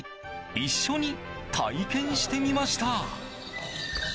一緒に体験してみました。